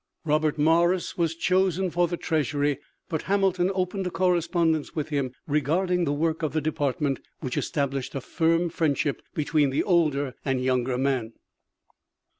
Robert Morris was chosen for the Treasury, but Hamilton opened a correspondence with him regarding the work of the department, which established a firm friendship between the older and younger man.